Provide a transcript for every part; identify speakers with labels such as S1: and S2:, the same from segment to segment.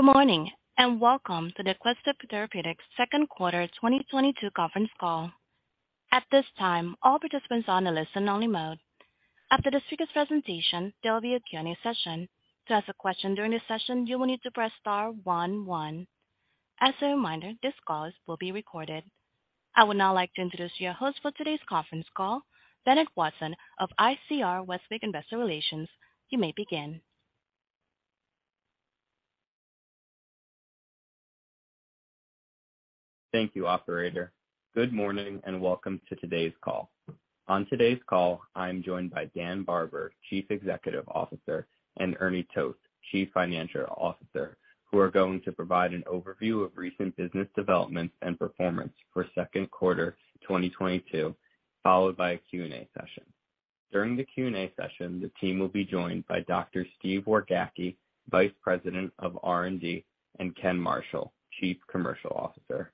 S1: Good morning, and welcome to the Aquestive Therapeutics second quarter 2022 conference call. At this time, all participants are on a listen-only mode. After the speaker's presentation, there will be a Q&A session. To ask a question during this session, you will need to press star one one. As a reminder, this call will be recorded. I would now like to introduce your host for today's conference call, Bennett Watson of ICR Westwicke Investor Relations. You may begin.
S2: Thank you, operator. Good morning, and welcome to today's call. On today's call, I am joined by Dan Barber, Chief Executive Officer, and Ernie Toth, Chief Financial Officer, who are going to provide an overview of recent business developments and performance for second quarter 2022, followed by a Q&A session. During the Q&A session, the team will be joined by Dr. Steve Wargacki, Vice President of R&D, and Ken Marshall, Chief Commercial Officer.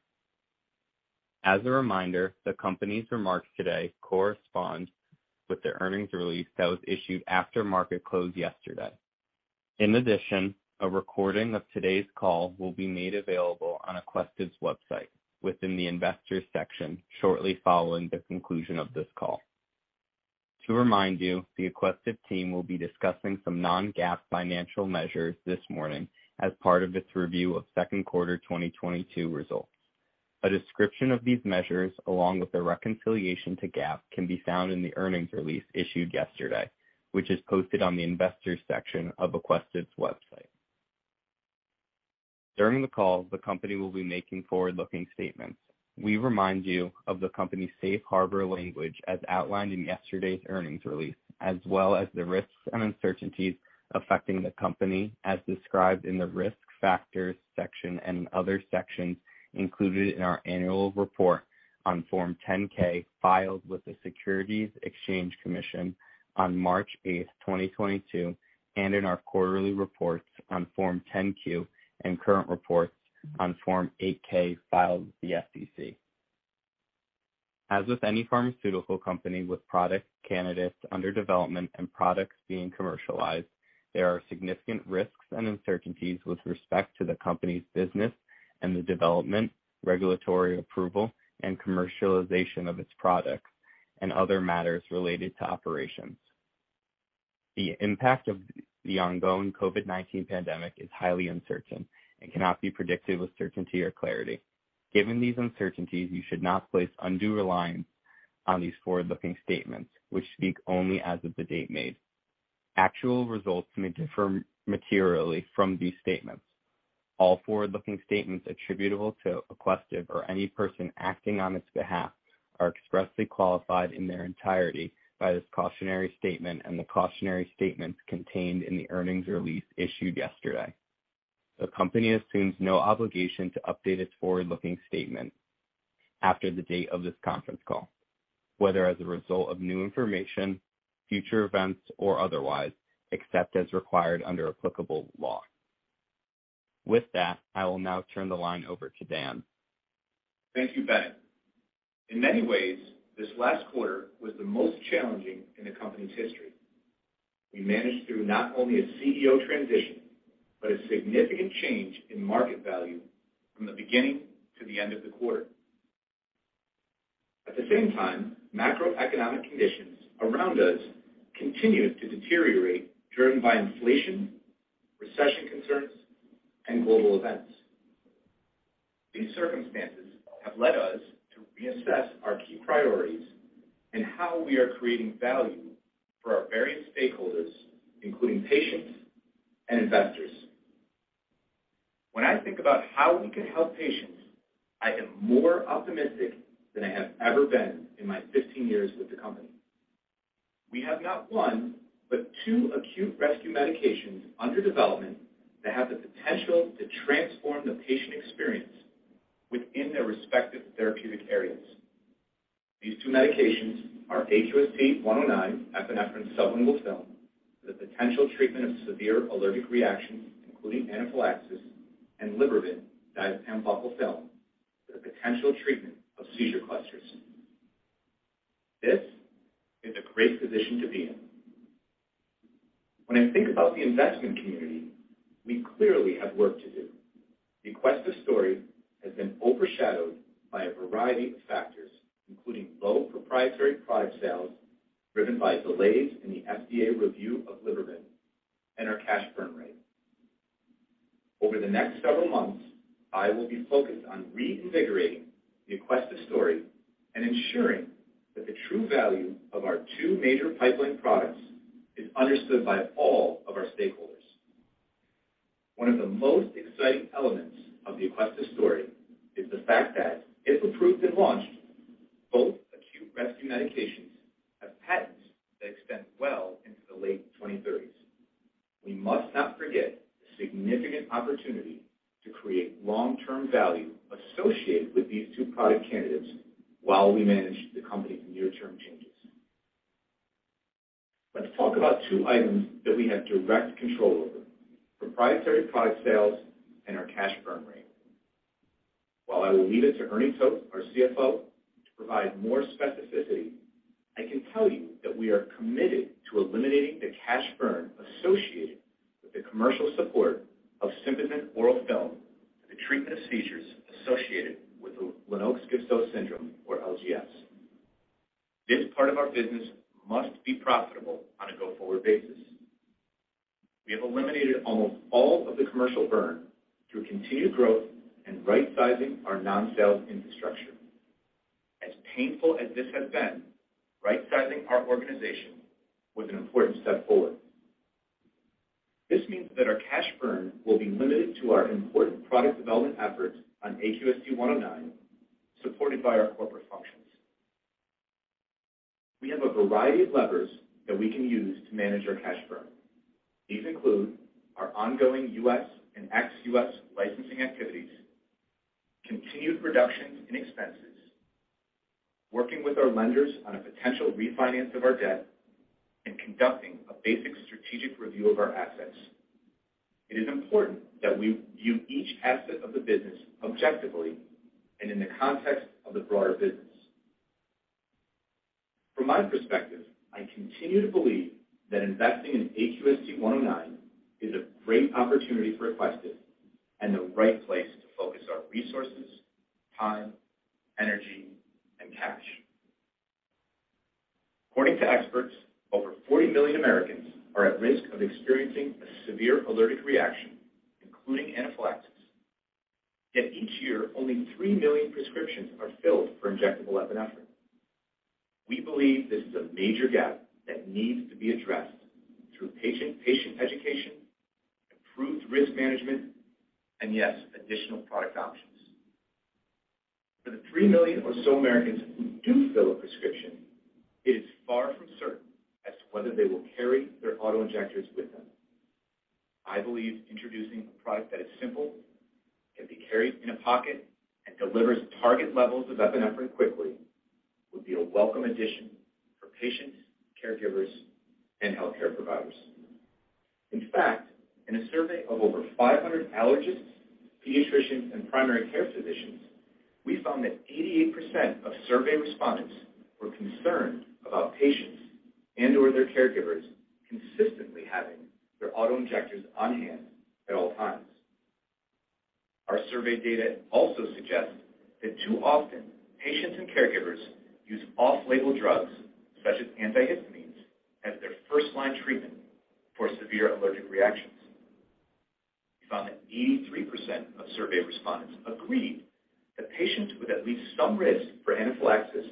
S2: As a reminder, the company's remarks today correspond with their earnings release that was issued after market close yesterday. In addition, a recording of today's call will be made available on Aquestive's website within the investors section shortly following the conclusion of this call. To remind you, the Aquestive team will be discussing some non-GAAP financial measures this morning as part of its review of second quarter 2022 results. A description of these measures, along with the reconciliation to GAAP, can be found in the earnings release issued yesterday, which is posted on the investors section of Aquestive's website. During the call, the company will be making forward-looking statements. We remind you of the company's safe harbor language as outlined in yesterday's earnings release, as well as the risks and uncertainties affecting the company as described in the Risk Factors section and other sections included in our annual report on Form 10-K filed with the Securities and Exchange Commission on March 8, 2022, and in our quarterly reports on Form 10-Q, and current reports on Form 8-K filed with the SEC. As with any pharmaceutical company with product candidates under development and products being commercialized, there are significant risks and uncertainties with respect to the company's business and the development, regulatory approval, and commercialization of its products and other matters related to operations. The impact of the ongoing COVID-19 pandemic is highly uncertain and cannot be predicted with certainty or clarity. Given these uncertainties, you should not place undue reliance on these forward-looking statements which speak only as of the date made. Actual results may differ materially from these statements. All forward-looking statements attributable to Aquestive or any person acting on its behalf are expressly qualified in their entirety by this cautionary statement and the cautionary statements contained in the earnings release issued yesterday. The company assumes no obligation to update its forward-looking statement after the date of this conference call, whether as a result of new information, future events, or otherwise, except as required under applicable law. With that, I will now turn the line over to Dan.
S3: Thank you, Bennett. In many ways, this last quarter was the most challenging in the company's history. We managed through not only a CEO transition, but a significant change in market value from the beginning to the end of the quarter. At the same time, macroeconomic conditions around us continued to deteriorate, driven by inflation, recession concerns, and global events. These circumstances have led us to reassess our key priorities and how we are creating value for our various stakeholders, including patients and investors. When I think about how we can help patients, I am more optimistic than I have ever been in my 15 years with the company. We have not one, but two acute rescue medications under development that have the potential to transform the patient experience within their respective therapeutic areas. These two medications are AQST-109 epinephrine sublingual film, the potential treatment of severe allergic reactions, including anaphylaxis, and Libervant diazepam buccal film, the potential treatment of seizure clusters. This is a great position to be in. When I think about the investment community, we clearly have work to do. The Aquestive story has been overshadowed by a variety of factors, including low proprietary product sales driven by delays in the FDA review of Libervant and our cash burn rate. Over the next several months, I will be focused on reconfiguring the Aquestive story and ensuring that the true value of our two major pipeline products is understood by all of our stakeholders. One of the most exciting elements of the Aquestive story is the fact that if approved and launched, both acute rescue medications have patents that extend well into the late 2030s. We must not forget the significant opportunity to create long-term value associated with these two product candidates while we manage the company's near-term changes. Let's talk about two items that we have direct control over, proprietary product sales and our cash burn rate. While I will leave it to Ernie Toth, our CFO, to provide more specificity, I can tell you that we are committed to eliminating the cash burn associated with the commercial support of Sympazan oral film for the treatment of seizures associated with Lennox-Gastaut Syndrome, or LGS. This part of our business must be profitable on a go-forward basis. We have eliminated almost all of the commercial burn through continued growth and rightsizing our non-sales infrastructure. As painful as this has been, rightsizing our organization was an important step forward. This means that our cash burn will be limited to our important product development efforts on AQST-109, supported by our corporate functions. We have a variety of levers that we can use to manage our cash burn. These include our ongoing U.S. and ex-U.S. licensing activities, continued reductions in expenses, working with our lenders on a potential refinance of our debt, and conducting a basic strategic review of our assets. It is important that we view each asset of the business objectively and in the context of the broader business. From my perspective, I continue to believe that investing in AQST-109 is a great opportunity for Aquestive and the right place to focus our resources, time, energy, and cash. According to experts, over 40 million Americans are at risk of experiencing a severe allergic reaction, including anaphylaxis. Yet each year, only 3 million prescriptions are filled for injectable epinephrine. We believe this is a major gap that needs to be addressed through patient education, improved risk management, and yes, additional product options. For the 3 million or so Americans who do fill a prescription, it is far from certain as to whether they will carry their auto-injectors with them. I believe introducing a product that is simple, can be carried in a pocket, and delivers target levels of epinephrine quickly would be a welcome addition for patients, caregivers, and healthcare providers. In fact, in a survey of over 500 allergists, pediatricians, and primary care physicians, we found that 88% of survey respondents were concerned about patients and/or their caregivers consistently having their auto-injectors on hand at all times. Our survey data also suggests that too often patients and caregivers use off-label drugs, such as antihistamines, as their first-line treatment for severe allergic reactions. We found that 83% of survey respondents agreed that patients with at least some risk for anaphylaxis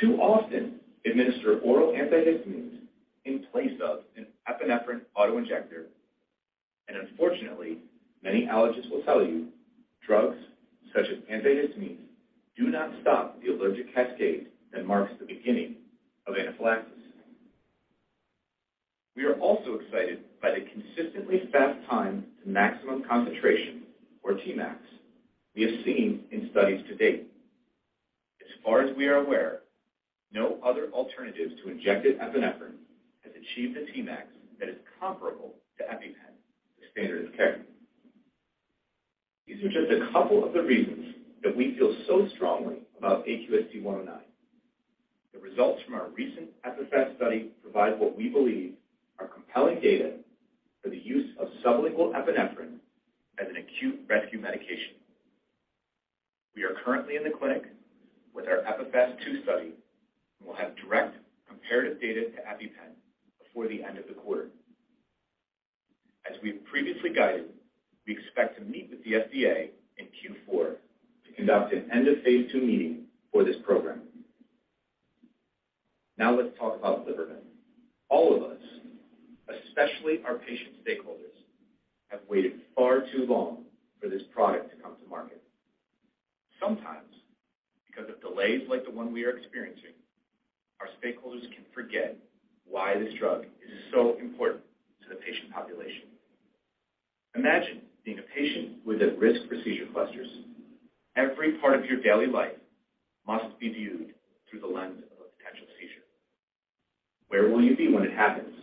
S3: too often administer oral antihistamines in place of an epinephrine auto-injector. Unfortunately, many allergists will tell you drugs such as antihistamines do not stop the allergic cascade that marks the beginning of anaphylaxis. We are also excited by the consistently fast time to maximum concentration, or Tmax, we have seen in studies to date. As far as we are aware, no other alternatives to injected epinephrine has achieved a Tmax that is comparable to EpiPen, the standard of care. These are just a couple of the reasons that we feel so strongly about AQST-109. The results from our recent EPIPHAST study provide what we believe are compelling data for the use of sublingual epinephrine as an acute rescue medication. We are currently in the clinic with our EPIPHAST II study, and we'll have direct comparative data to EpiPen before the end of the quarter. As we've previously guided, we expect to meet with the FDA in Q4 to conduct an end of phase II meeting for this program. Now let's talk about Libervant. All of us, especially our patient stakeholders, have waited far too long for this product to come to market. Sometimes, because of delays like the one we are experiencing, our stakeholders can forget why this drug is so important to the patient population. Imagine being a patient at risk for seizure clusters. Every part of your daily life must be viewed through the lens of a potential seizure. Where will you be when it happens?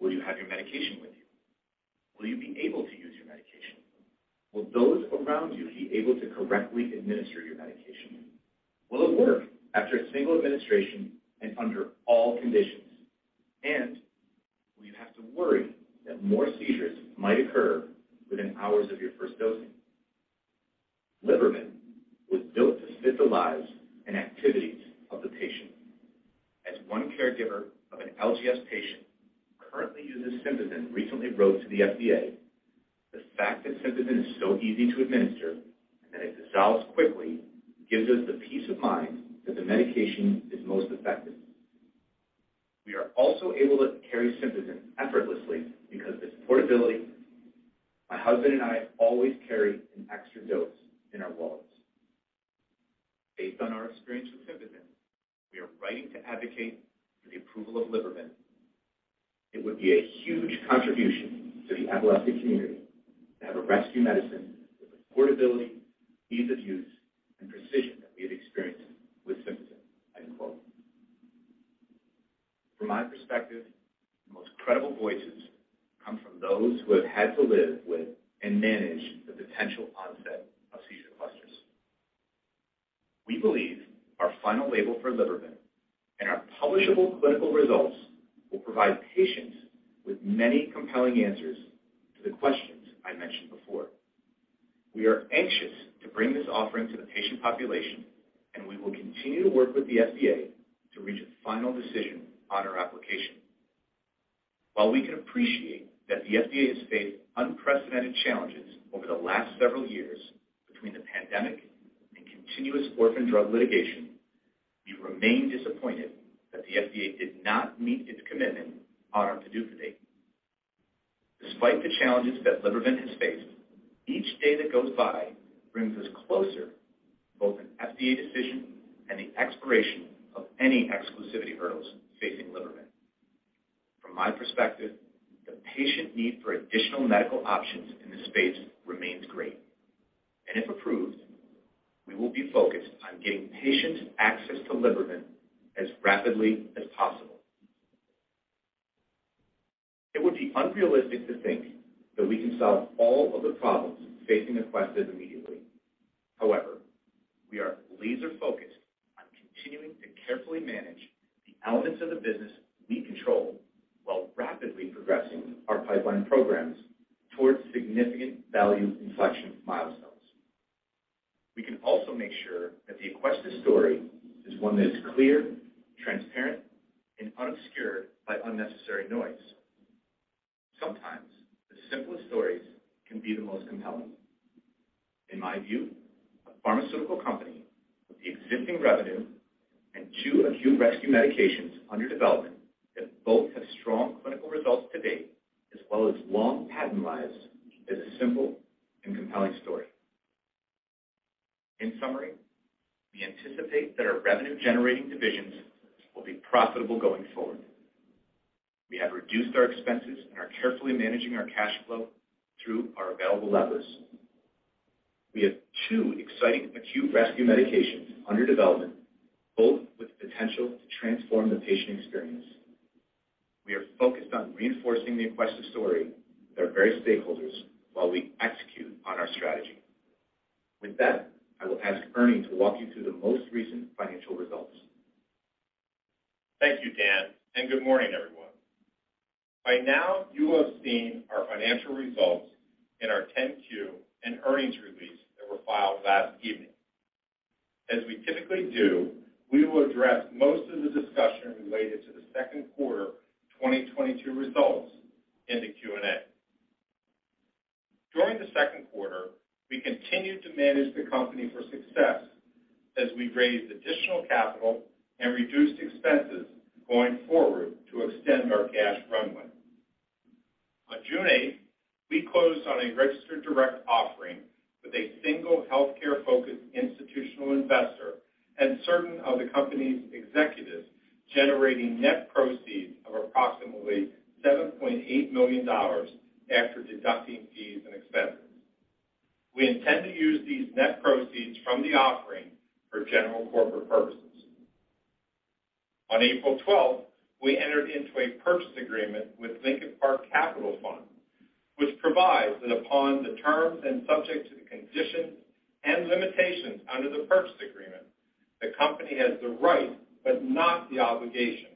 S3: Will you have your medication with you? Will you be able to use your medication? Will those around you be able to correctly administer your medication? Will it work after a single administration and under all conditions? Will you have to worry that more seizures might occur within hours of your first dosing? Libervant was built to fit the lives and activities of the patient. As one caregiver of an LGS patient who currently uses Sympazan recently wrote to the FDA, "The fact that Sympazan is so easy to administer and that it dissolves quickly gives us the peace of mind that the medication is most effective. We are also able to carry Sympazan effortlessly because of its portability. My husband and I always carry an extra dose in our wallets. Based on our experience with Sympazan, we are writing to advocate for the approval of Libervant. It would be a huge contribution to the epileptic community to have a rescue medicine with the portability, ease of use, and precision that we have experienced with Sympazan." From my perspective, the most credible voices come from those who have had to live with and manage the potential onset of seizure clusters. We believe our final label for Libervant and our publishable clinical results will provide patients with many compelling answers to the questions I mentioned before. We are anxious to bring this offering to the patient population, and we will continue to work with the FDA to reach a final decision on our application. While we can appreciate that the FDA has faced unprecedented challenges over the last several years between the pandemic and continuous orphan drug litigation, we remain disappointed that the FDA did not meet its commitment on our PDUFA date. Despite the challenges that Libervant has faced, each day that goes by brings us closer to both an FDA decision and the expiration of any exclusivity hurdles facing Libervant. From my perspective, the patient need for additional medical options in this space remains great. If approved, we will be focused on getting patients access to Libervant as rapidly as possible. It would be unrealistic to think that we can solve all of the problems facing Aquestive immediately. However, we are laser-focused on continuing to carefully manage the elements of the business we control while rapidly progressing our pipeline programs towards significant value inflection milestones. We can also make sure that the Aquestive story is one that is clear, transparent, and unobscured by unnecessary noise. Sometimes the simplest stories can be the most compelling. In my view, a pharmaceutical company with the existing revenue and two acute rescue medications under development that both have strong clinical results to date as well as long patent lives is a simple and compelling story. In summary, we anticipate that our revenue-generating divisions will be profitable going forward. We have reduced our expenses and are carefully managing our cash flow through our available levers. We have two exciting acute rescue medications under development, both with the potential to transform the patient experience. We are focused on reinforcing the Aquestive story with our various stakeholders while we execute on our strategy. With that, I will ask Ernie to walk you through the most recent financial results.
S4: Thank you, Dan, and good morning, everyone. By now, you will have seen our financial results in our 10-Q and earnings release that were filed last evening. As we typically do, we will address most of the discussion related to the second quarter 2022 results in the Q&A. During the second quarter, we continued to manage the company for success as we raised additional capital and reduced expenses going forward to extend our cash runway. On June 8th, we closed on a registered direct offering with a single healthcare-focused institutional investor and certain of the company's executives, generating net proceeds of approximately $7.8 million after deducting fees and expenses. We intend to use these net proceeds from the offering for general corporate purposes. On April twelfth, we entered into a purchase agreement with Lincoln Park Capital Fund, which provides that upon the terms and subject to the conditions and limitations under the purchase agreement, the company has the right, but not the obligation,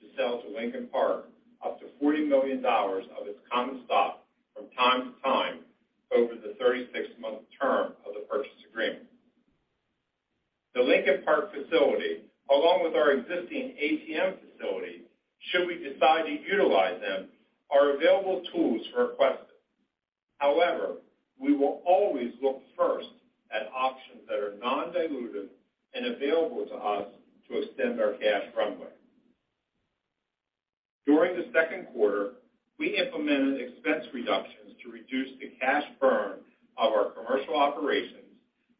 S4: to sell to Lincoln Park up to $40 million of its common stock from time to time over the 36 months term of the purchase agreement. The Lincoln Park facility, along with our existing ATM facility, should we decide to utilize them, are available tools for Aquestive. However, we will always look first at options that are non-dilutive and available to us to extend our cash runway. During the second quarter, we implemented expense reductions to reduce the cash burn of our commercial operations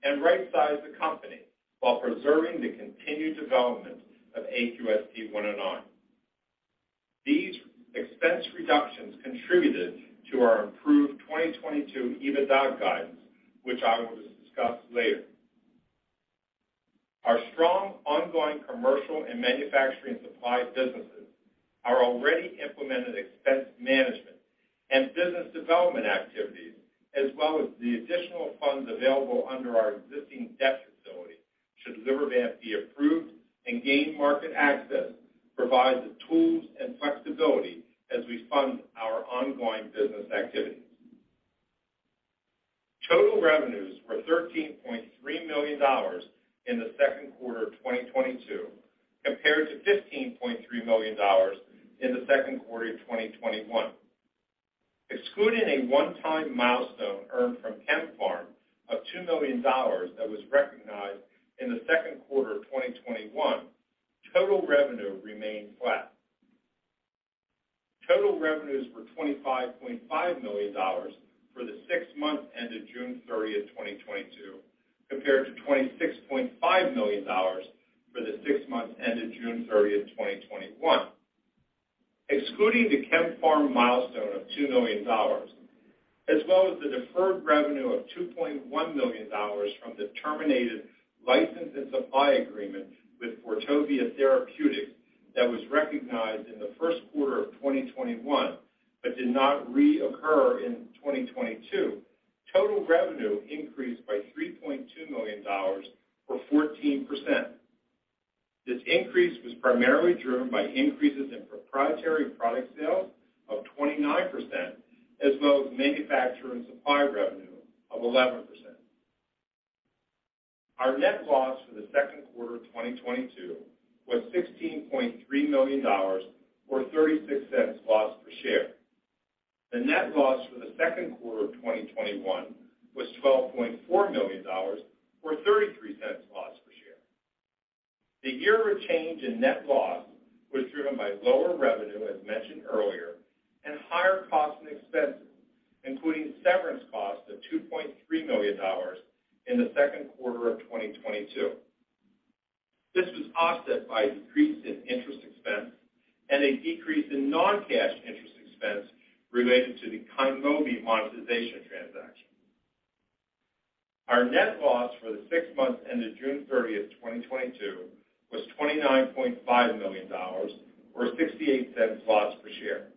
S4: and right-size the company while preserving the continued development of AQST-109. These expense reductions contributed to our improved 2022 EBITDA guidance, which I will discuss later. Our strong ongoing commercial and manufacturing supply businesses, our already implemented expense management and business development activities, as well as the additional funds available under our existing debt facility should Libervant be approved and gain market access, provide the tools and flexibility as we fund our ongoing business activities. Total revenues were $13.3 million in the second quarter of 2022 compared to $15.3 million in the second quarter of 2021. Excluding a one-time milestone earned from KemPharm of $2 million that was recognized in the second quarter of 2021, total revenue remained flat. Total revenues were $25.5 million for the six months ended June 30th, 2022, compared to $26.5 million for the six months ended June 30th, 2021. Excluding the KemPharm milestone of $2 million as well as the deferred revenue of $2.1 million from the terminated license and supply agreement with Assertio Therapeutics that was recognized in the first quarter of 2021, but did not reoccur in 2022. Total revenue increased by $3.2 million or 14%. This increase was primarily driven by increases in proprietary product sales of 29% as well as manufacturer and supply revenue of 11%. Our net loss for the second quarter of 2022 was $16.3 million or $0.36 loss per share. The net loss for the second quarter of 2021 was $12.4 million or $0.33 loss per share. The year-over-year change in net loss was driven by lower revenue, as mentioned earlier, and higher costs and expenses, including severance costs of $2.3 million in the second quarter of 2022. This was offset by a decrease in interest expense and a decrease in non-cash interest expense related to the Kynmobi monetization transaction. Our net loss for the six months ended June 30th, 2022 was $29.5 million or $0.68 loss per share.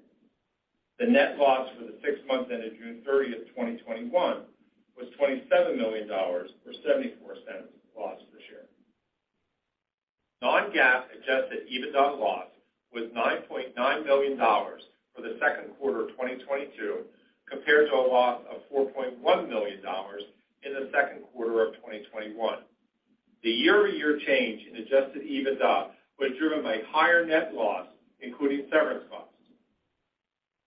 S4: The net loss for the six months ended June 30th, 2021 was $27 million or $0.74 loss per share. Non-GAAP Adjusted EBITDA loss was $9.9 million for the second quarter of 2022 compared to a loss of $4.1 million in the second quarter of 2021. The year-over-year change in Adjusted EBITDA was driven by higher net loss, including severance costs.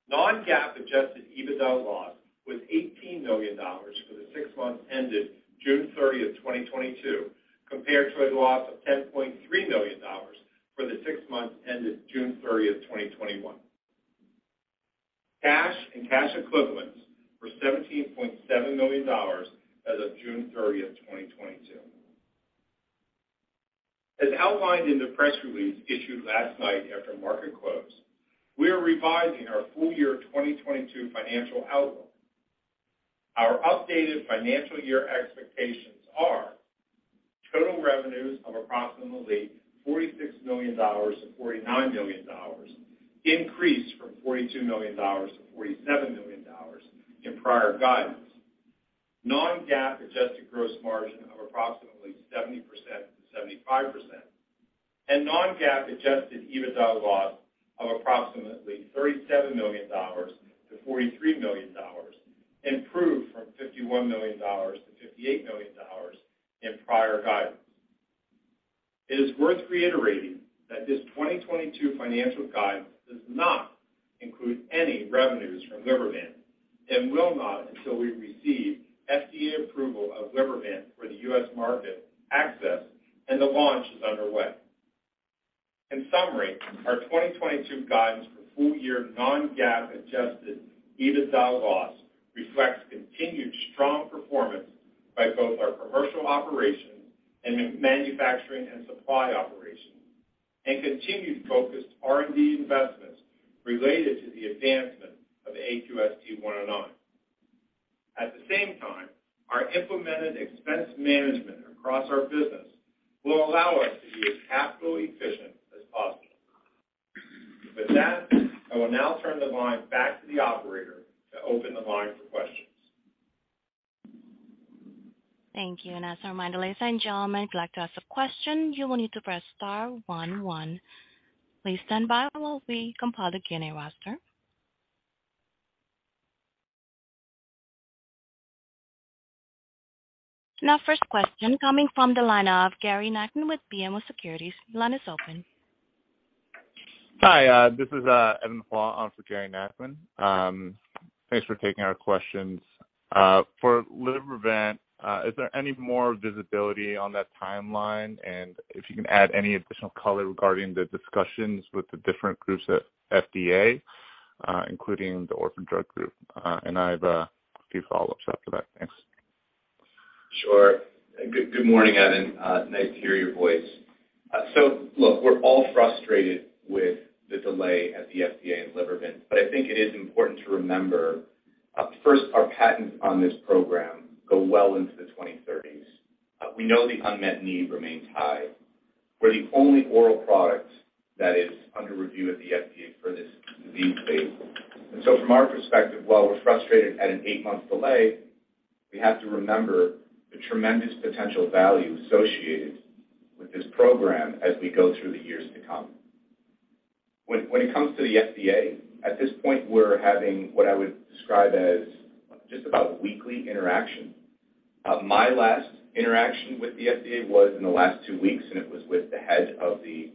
S4: Non-GAAP Adjusted EBITDA loss was $18 million for the six months ended June 30th, 2022 compared to a loss of $10.3 million for the six months ended June 30th, 2021. Cash and cash equivalents were $17.7 million as of June 30th, 2022. As outlined in the press release issued last night after market close, we are revising our full year 2022 financial outlook. Our updated financial year expectations are total revenues of approximately $46 million-$49 million, increased from $42 million-$47 million in prior guidance. Non-GAAP adjusted gross margin of approximately 70%-75% and non-GAAP Adjusted EBITDA loss of approximately $37 million-$43 million, improved from $51 million-$58 million in prior guidance. It is worth reiterating that this 2022 financial guidance does not include any revenues from Libervant and will not until we receive FDA approval of Libervant for the U.S. market access, and the launch is underway. In summary, our 2022 guidance for full year non-GAAP Adjusted EBITDA loss reflects continued strong performance by both our commercial operations and manufacturing and supply operations and continued focused R&D investments related to the advancement of AQST-109. At the same time, our implemented expense management across our business will allow us to be as capital efficient as possible. With that, I will now turn the line back to the operator to open the line for questions.
S1: Thank you. As a reminder, ladies and gentlemen, if you'd like to ask a question, you will need to press star one one. Please stand by while we compile the Q&A roster. Now first question coming from the line of Gary Nachman with BMO Capital Markets. Line is open.
S5: Hi, this is Evan Hua on for Gary Nachman. Thanks for taking our questions. For Libervant, is there any more visibility on that timeline? If you can add any additional color regarding the discussions with the different groups at FDA, including the Orphan Drug Group? I have a few follow-ups after that. Thanks.
S3: Sure. Good morning, Evan. Nice to hear your voice. So look, we're all frustrated with the delay at the FDA and Libervant, but I think it is important to remember, first, our patents on this program go well into the 2030s. We know the unmet need remains high. We're the only oral product that is under review at the FDA for this disease state. From our perspective, while we're frustrated at an 8 month delay, we have to remember the tremendous potential value associated with this program as we go through the years to come. When it comes to the FDA, at this point, we're having what I would describe as just about weekly interaction. My last interaction with the FDA was in the last two weeks, and it was with the head of the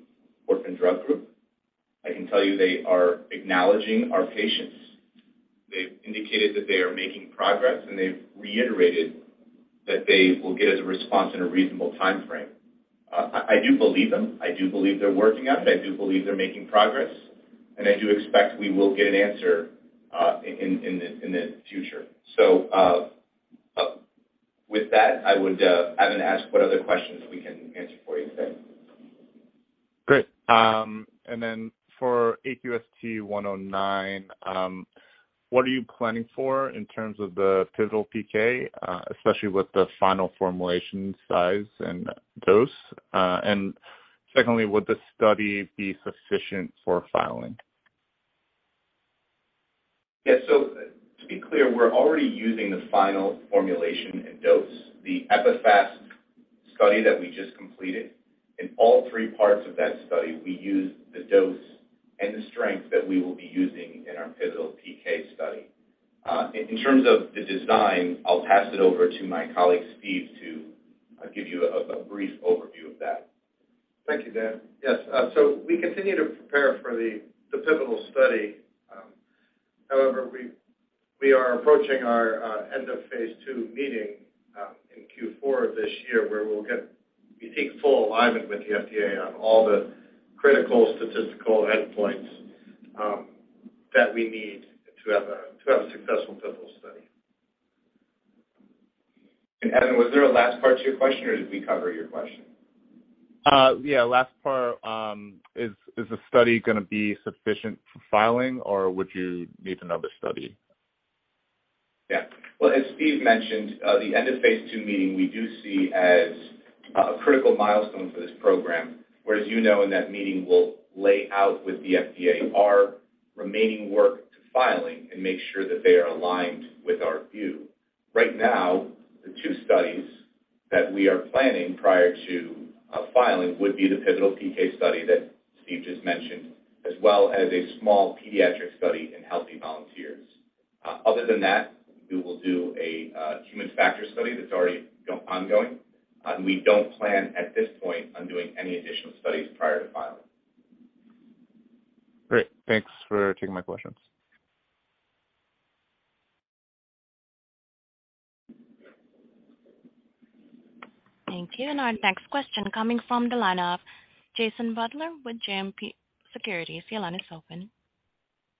S3: Orphan Drug Group. I can tell you they are acknowledging our patients. They've indicated that they are making progress, and they've reiterated that they will get us a response in a reasonable timeframe. I do believe them. I do believe they're working on it. I do believe they're making progress, and I do expect we will get an answer in the future. With that, I would, Evan, ask what other questions we can answer for you today?
S5: Great. For AQST-109, what are you planning for in terms of the pivotal PK, especially with the final formulation size and dose? Secondly, would the study be sufficient for filing?
S3: Yeah. To be clear, we're already using the final formulation and dose. The EPIPHAST study that we just completed, in all three parts of that study, we used the dose and the strength that we will be using in our pivotal PK study. In terms of the design, I'll pass it over to my colleague, Steve, to give you a brief overview of that.
S6: Thank you, Dan. Yes, we continue to prepare for the pivotal study. However, we are approaching our end of phase II meeting in Q4 this year, where we'll get, we think, full alignment with the FDA on all the critical statistical endpoints that we need to have a successful pivotal study.
S3: Evan, was there a last part to your question, or did we cover your question?
S5: Yeah, last part, is the study gonna be sufficient for filing, or would you need another study?
S3: Yeah. Well, as Steve mentioned, the end of phase II meeting, we do see as a critical milestone for this program, where, as you know, in that meeting, we'll lay out with the FDA our remaining work to filing and make sure that they are aligned with our view. Right now, the two studies that we are planning prior to filing would be the pivotal PK study that Steve just mentioned, as well as a small pediatric study in healthy volunteers. Other than that, we will do a human factor study that's already ongoing. We don't plan at this point on doing any additional studies prior to filing.
S5: Great. Thanks for taking my questions.
S1: Thank you. Our next question coming from the line of Jason Butler with JMP Securities. Your line is open.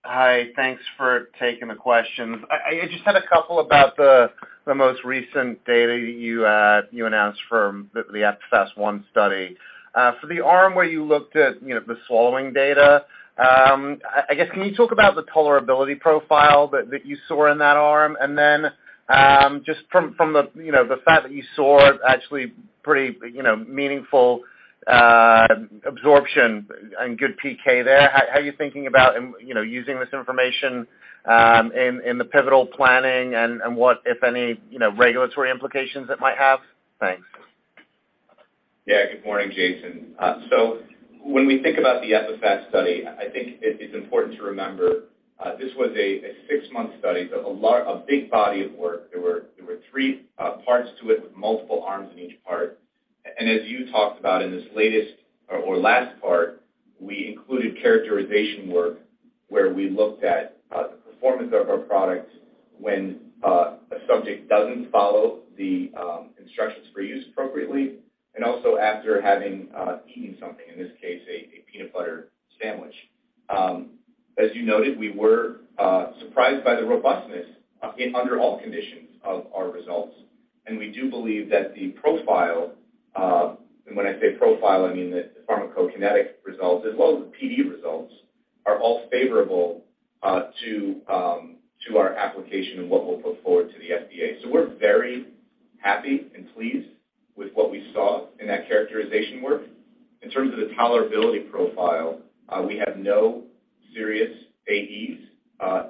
S7: Hi. Thanks for taking the questions. I just had a couple about the most recent data you announced from the EPIPHAST study. For the arm where you looked at, you know, the swallowing data, I guess, can you talk about the tolerability profile that you saw in that arm? Just from, you know, the fact that you saw actually pretty, you know, meaningful absorption and good PK there, how are you thinking about, you know, using this information in the pivotal planning and what, if any, you know, regulatory implications it might have? Thanks.
S3: Good morning, Jason. When we think about the EPIPHAST study, I think it's important to remember this was a six month study, a big body of work. There were three parts to it with multiple arms in each part. As you talked about in this latest or last part, we included characterization work where we looked at the performance of our products when a subject doesn't follow the instructions for use appropriately, and also after having eaten something, in this case a peanut butter sandwich. As you noted, we were surprised by the robustness under all conditions of our results, and we do believe that the profile, and when I say profile, I mean the pharmacokinetic results as well as the PD results are all favorable to our application and what we'll put forward to the FDA. We're very happy and pleased with what we saw in that characterization work. In terms of the tolerability profile, we have no serious AEs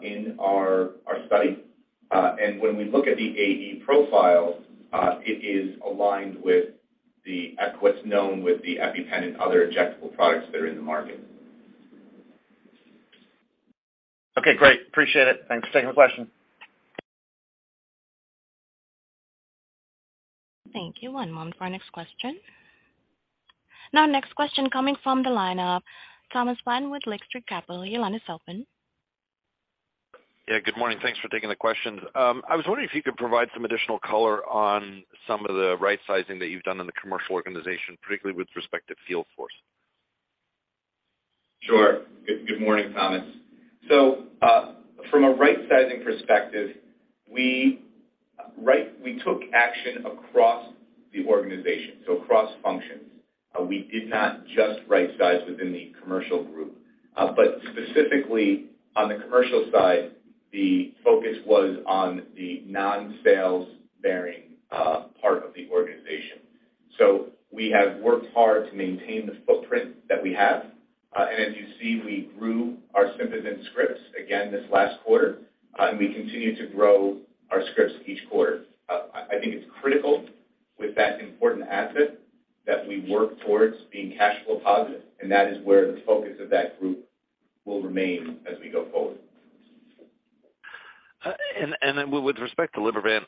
S3: in our study. When we look at the AE profile, it is aligned with what's known with the EpiPen and other injectable products that are in the market.
S7: Okay, great. Appreciate it. Thanks for taking the question.
S1: Thank you. One moment for our next question. Now next question coming from the line of Thomas Flaten with Lake Street Capital. Your line is open.
S8: Yeah, good morning. Thanks for taking the questions. I was wondering if you could provide some additional color on some of the right sizing that you've done in the commercial organization, particularly with respect to field force.
S3: Sure. Good morning, Thomas. From a right sizing perspective, we took action across the organization, so across functions. We did not just right size within the commercial group. Specifically on the commercial side, the focus was on the non-sales bearing part of the organization. We have worked hard to maintain the footprint that we have. As you see, we grew our Sympazan scripts again this last quarter. We continue to grow our scripts each quarter. I think it's critical with that important asset that we work towards being cash flow positive, and that is where the focus of that group will remain as we go forward.
S8: With respect to Libervant,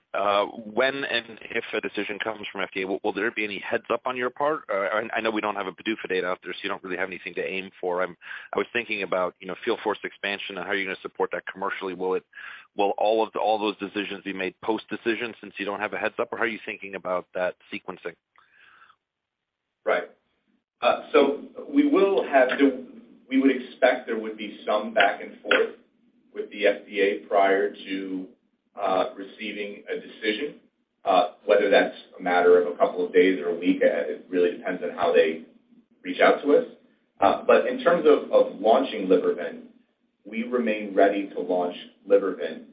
S8: when and if a decision comes from FDA, will there be any heads-up on your part? I know we don't have a PDUFA date out there, so you don't really have anything to aim for. I was thinking about, you know, field force expansion and how you're gonna support that commercially. Will all of those decisions be made post-decision since you don't have a heads up, or how are you thinking about that sequencing?
S3: Right. We would expect there would be some back and forth with the FDA prior to receiving a decision, whether that's a matter of a couple of days or a week. It really depends on how they reach out to us. In terms of launching Libervant, we remain ready to launch Libervant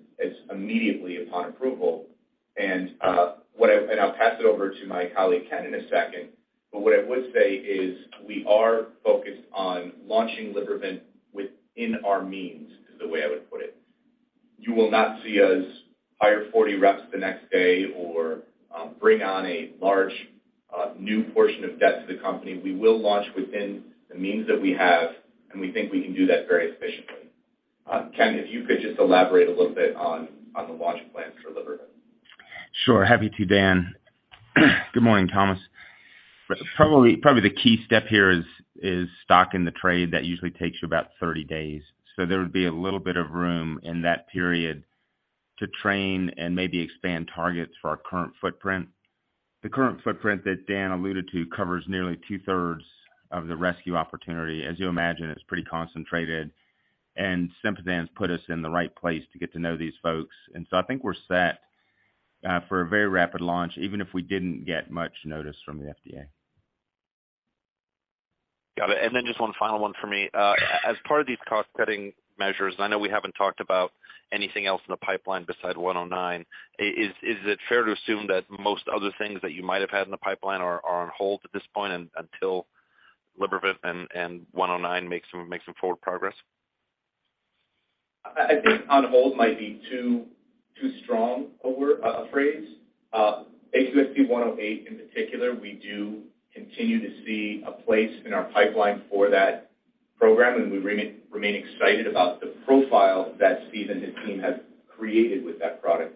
S3: immediately upon approval. I'll pass it over to my colleague, Ken, in a second. What I would say is we are focused on launching Libervant within our means, is the way I would put it. You will not see us hire 40 reps the next day or bring on a large new portion of debt to the company. We will launch within the means that we have, and we think we can do that very efficiently. Ken, if you could just elaborate a little bit on the launch plans for Libervant.
S9: Sure. Happy to, Dan. Good morning, Thomas. Probably the key step here is stock in the trade that usually takes you about 30 days. There would be a little bit of room in that period to train and maybe expand targets for our current footprint. The current footprint that Dan alluded to covers nearly two-thirds of the rescue opportunity. As you imagine, it's pretty concentrated. Sympazan's put us in the right place to get to know these folks. I think we're set for a very rapid launch, even if we didn't get much notice from the FDA.
S8: Got it. Just one final one for me. As part of these cost-cutting measures, I know we haven't talked about anything else in the pipeline besides 109. Is it fair to assume that most other things that you might have had in the pipeline are on hold at this point until Libervant and 109 make some forward progress?
S3: I think on hold might be too strong a word, a phrase. AQST-108 in particular, we do continue to see a place in our pipeline for that program, and we remain excited about the profile that Steve and his team have created with that product.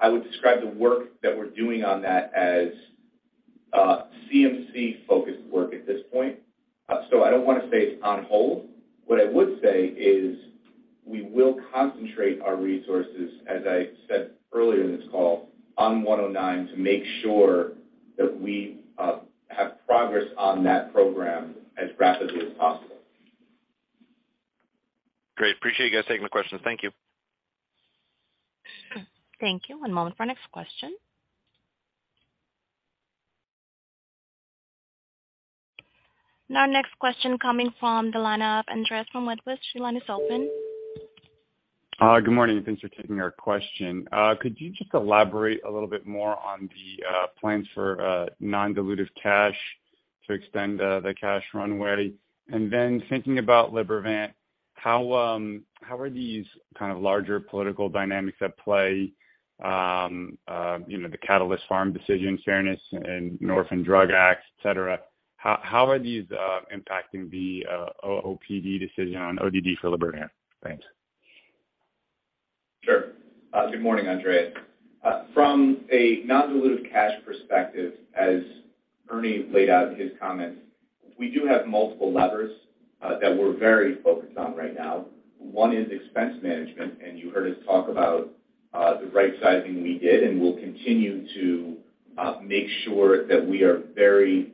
S3: I would describe the work that we're doing on that as CMC-focused work at this point. So I don't wanna say it's on hold. What I would say is we will concentrate our resources, as I said earlier in this call, on AQST-109 to make sure that we have progress on that program as rapidly as possible.
S8: Great. Appreciate you guys taking my questions. Thank you.
S1: Thank you. One moment for our next question. Our next question coming from the line of Andreas from Wedbush. Your line is open.
S10: Good morning, thanks for taking our question. Could you just elaborate a little bit more on the plans for non-dilutive cash to extend the cash runway? Thinking about Libervant, how are these kind of larger political dynamics at play, you know, the Catalyst Pharmaceuticals decision, fairness and Orphan Drug Act, et cetera, how are these impacting the OPD decision on ODD for Libervant? Thanks.
S3: Sure. Good morning, Andreas. From a non-dilutive cash perspective, as Ernie laid out in his comments, we do have multiple levers that we're very focused on right now. One is expense management, and you heard us talk about the right sizing we did, and we'll continue to make sure that we are very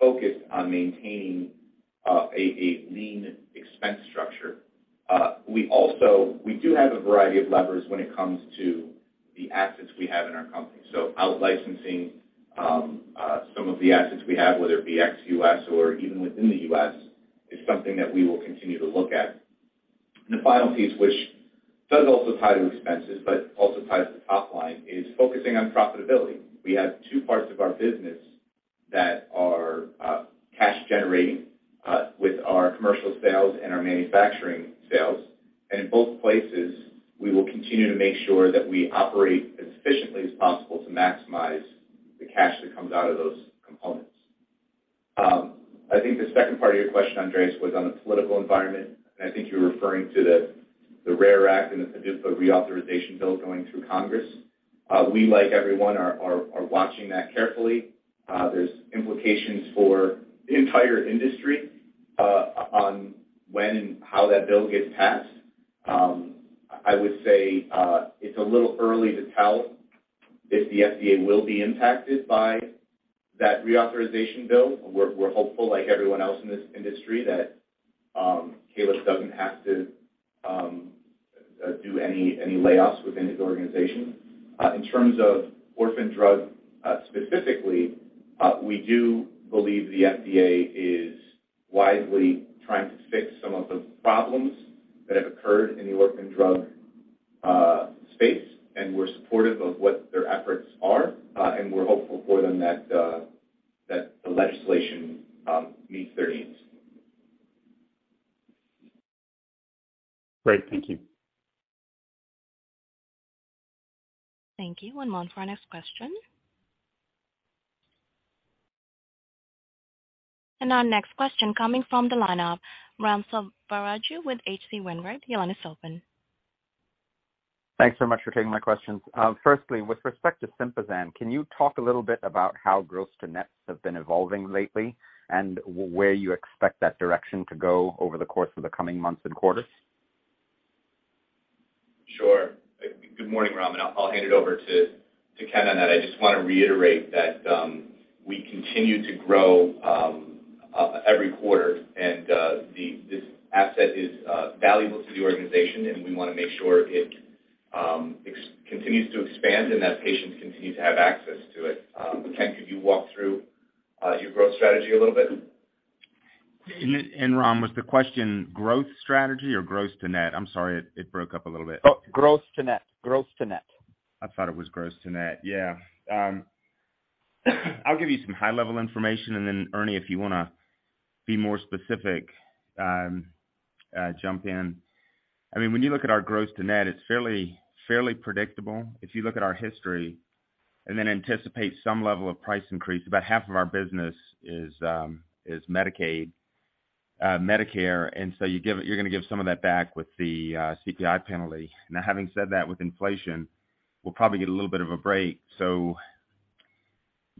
S3: focused on maintaining a lean expense structure. We do have a variety of levers when it comes to the assets we have in our company. Out-licensing some of the assets we have, whether it be ex-U.S. or even within the U.S., is something that we will continue to look at. The final piece, which does also tie to expenses but also ties to top line, is focusing on profitability. We have two parts of our business that are cash generating with our commercial sales and our manufacturing sales. In both places, we will continue to make sure that we operate as efficiently as possible to maximize the cash that comes out of those components. I think the second part of your question, Andreas, was on the political environment, and I think you were referring to the RACE Act and the PDUFA reauthorization bill going through Congress. We, like everyone, are watching that carefully. There's implications for the entire industry on when and how that bill gets passed. I would say it's a little early to tell if the FDA will be impacted by that reauthorization bill. We're hopeful, like everyone else in this industry, that Califf doesn't have to do any layoffs within his organization. In terms of Orphan Drug specifically, we do believe the FDA is wisely trying to fix some of the problems that have occurred in the Orphan Drug space, and we're supportive of what their efforts are, and we're hopeful for them that the legislation meets their needs.
S10: Great. Thank you.
S1: Thank you. One moment for our next question. Our next question coming from the line of Ram Selvaraju with H.C. Wainwright. Your line is open.
S11: Thanks so much for taking my questions. Firstly, with respect to Sympazan, can you talk a little bit about how gross to nets have been evolving lately and where you expect that direction to go over the course of the coming months and quarters?
S3: Sure. Good morning, Ram. I'll hand it over to Ken on that. I just wanna reiterate that we continue to grow every quarter and this asset is valuable to the organization, and we wanna make sure it continues to expand and that patients continue to have access to it. Ken, could you walk through your growth strategy a little bit?
S9: Ram, was the question growth strategy or gross to net? I'm sorry, it broke up a little bit.
S11: Oh, gross to net.
S9: I thought it was gross to net, yeah. I'll give you some high level information and then Ernie, if you wanna be more specific, jump in. I mean, when you look at our gross to net, it's fairly predictable. If you look at our history and then anticipate some level of price increase, about half of our business is Medicaid, Medicare. You're gonna give some of that back with the CPI penalty. Now having said that, with inflation, we'll probably get a little bit of a break.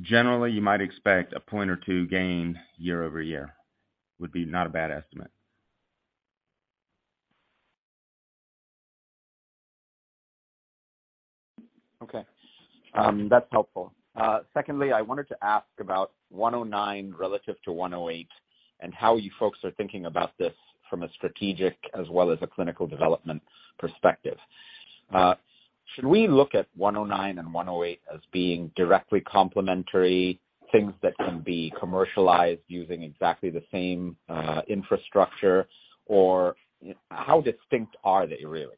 S9: Generally, you might expect a point or two gain year-over-year would be not a bad estimate.
S11: Okay. That's helpful. Secondly, I wanted to ask about 109 relative to 108 and how you folks are thinking about this from a strategic as well as a clinical development perspective. Should we look at 109 and 108 as being directly complementary things that can be commercialized using exactly the same infrastructure, or how distinct are they really?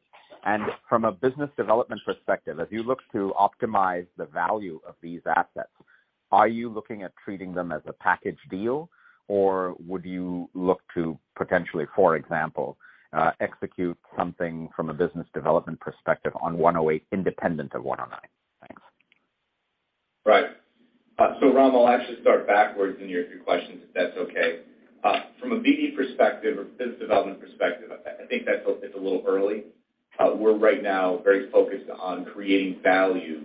S11: From a business development perspective, as you look to optimize the value of these assets, are you looking at treating them as a package deal, or would you look to potentially, for example, execute something from a business development perspective on 108, independent of 109? Thanks.
S3: Right. Ram, I'll actually start backwards in your two questions, if that's okay. From a BD perspective or business development perspective, I think that's a, it's a little early. We're right now very focused on creating value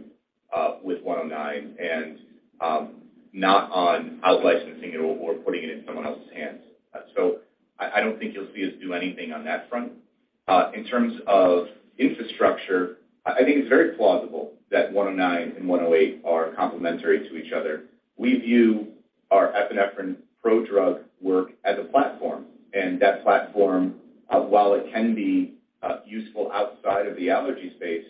S3: with one zero nine and not on out-licensing it or putting it in someone else's hands. So I don't think you'll see us do anything on that front. In terms of infrastructure, I think it's very plausible that one zero eight and one zero nine are complementary to each other. We view our epinephrine prodrug work as a platform. That platform while it can be useful outside of the allergy space,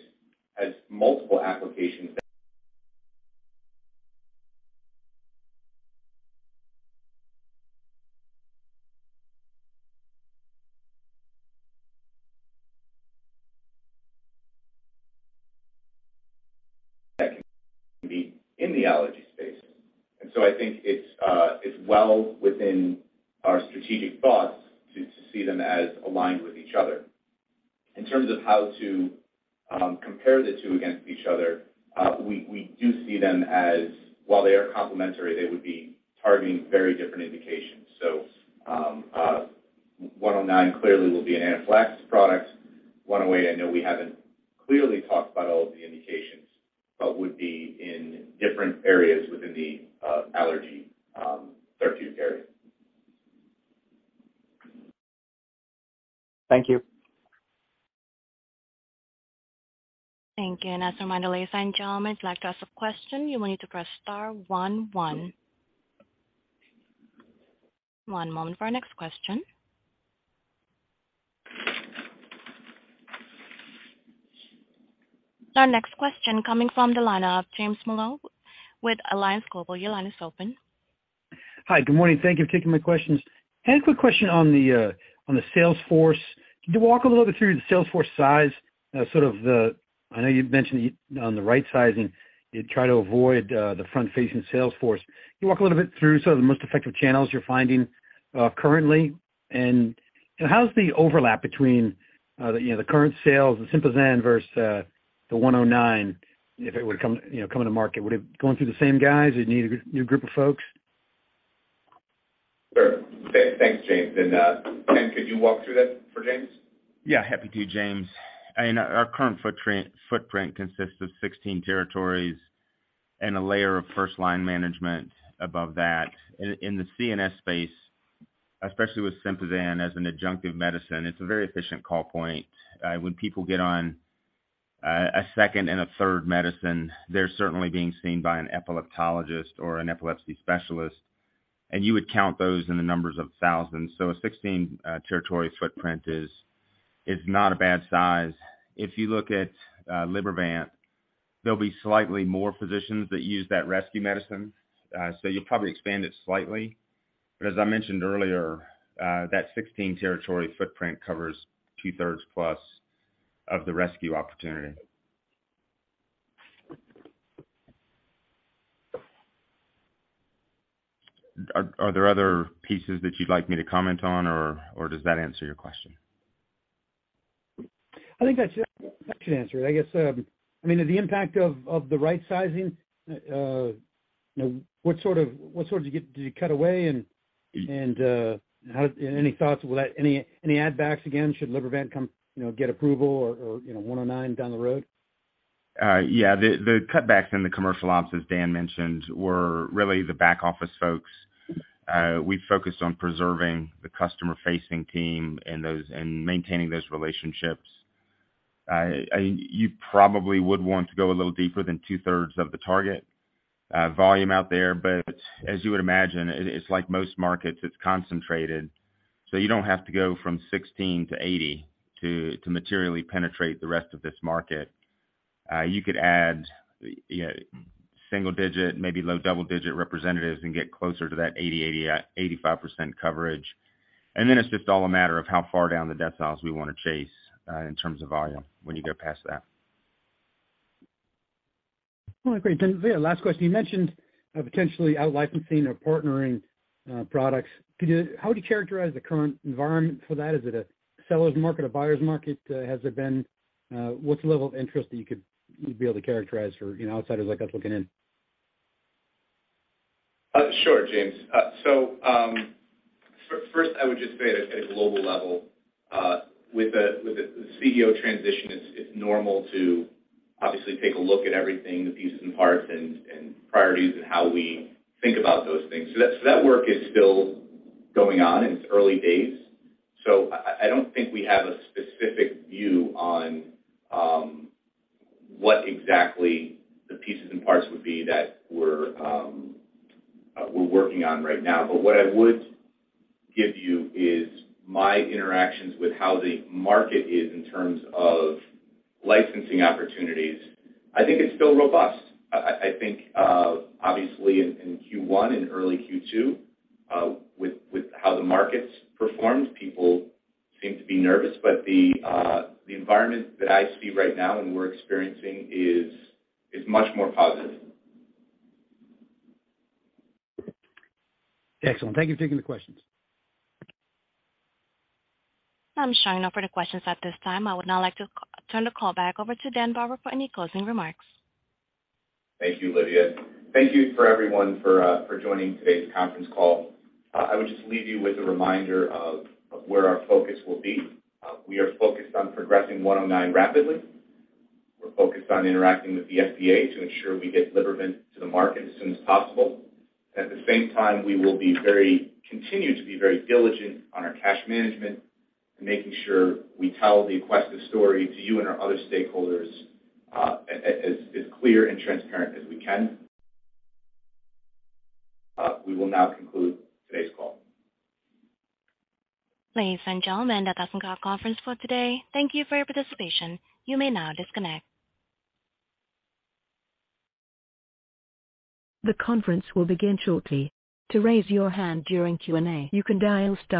S3: has multiple applications that can be in the allergy space. I think it's well within our strategic thoughts to see them as aligned with each other. In terms of how to compare the two against each other, we do see them as while they are complementary, they would be targeting very different indications. One zero nine clearly will be an anaphylaxis product. One zero eight, I know we haven't clearly talked about all of the indications, but would be in different areas within the allergy therapeutic area.
S11: Thank you.
S1: Thank you. As a reminder, ladies and gentlemen, if you'd like to ask a question, you will need to press star one one. One moment for our next question. Our next question coming from the line of James Molloy with Alliance Global Partners. Your line is open.
S12: Hi. Good morning. Thank you for taking my questions. I had a quick question on the sales force. Could you walk a little bit through the sales force size, sort of the. I know you'd mentioned on the right sizing, you try to avoid the front-facing sales force. Can you walk a little bit through some of the most effective channels you're finding currently? You know, how's the overlap between the current sales of Sympazan versus the one zero nine, if it were to come into market? Would it going through the same guys? It need a new group of folks?
S3: Sure. Thanks, James. Ken, could you walk through that for James?
S9: Yeah, happy to James. I mean, our current footprint consists of 16 territories and a layer of first line management above that. In the CNS space, especially with Sympazan as an adjunctive medicine, it's a very efficient call point. When people get on a second and a third medicine, they're certainly being seen by an epileptologist or an epilepsy specialist, and you would count those in the numbers of thousands. So a 16 territory footprint is not a bad size. If you look at Libervant, there'll be slightly more physicians that use that rescue medicine. So you'll probably expand it slightly. But as I mentioned earlier, that 16 territory footprint covers two-thirds plus of the rescue opportunity. Are there other pieces that you'd like me to comment on or does that answer your question?
S12: I think that's it. That should answer it. I guess, I mean, the impact of the right sizing, you know, what sort did you cut away and, how any thoughts, will that any add backs again should Libervant come, you know, get approval or, you know, 109 down the road?
S9: Yeah, the cutbacks in the commercial ops, as Dan mentioned, were really the back office folks. We focused on preserving the customer facing team and maintaining those relationships. You probably would want to go a little deeper than two-thirds of the target volume out there, but as you would imagine, it's like most markets, it's concentrated, so you don't have to go from 16 to 80 to materially penetrate the rest of this market. You could add, you know, single digit, maybe low double digit representatives and get closer to that 80, 85% coverage. It's just all a matter of how far down the deciles we wanna chase in terms of volume when you go past that.
S12: Well, great. Yeah, last question. You mentioned potentially out-licensing or partnering products. How would you characterize the current environment for that? Is it a seller's market, a buyer's market? What's the level of interest that you could you'd be able to characterize for you know, outsiders like us looking in?
S3: Sure, James. First, I would just say at a global level, with the CEO transition, it's normal to obviously take a look at everything, the pieces and parts and priorities and how we think about those things. That work is still going on, and it's early days. I don't think we have a specific view on what exactly the pieces and parts would be that we're working on right now. What I would give you is my interactions with how the market is in terms of licensing opportunities. I think it's still robust. I think, obviously in Q1 and early Q2, with how the market's performed, people seem to be nervous, but the environment that I see right now and we're experiencing is much more positive.
S12: Excellent. Thank you for taking the questions.
S1: I'm showing no further questions at this time. I would now like to turn the call back over to Daniel Barber for any closing remarks.
S3: Thank you, Lydia. Thank you, everyone, for joining today's conference call. I would just leave you with a reminder of where our focus will be. We are focused on progressing 109 rapidly. We're focused on interacting with the FDA to ensure we get Libervant to the market as soon as possible. At the same time, we will continue to be very diligent on our cash management and making sure we tell the Aquestive story to you and our other stakeholders, as clear and transparent as we can. We will now conclude today's call.
S1: Ladies and gentlemen, that does end our conference for today. Thank you for your participation. You may now disconnect. The conference will begin shortly. To raise your hand during Q&A, you can dial star one.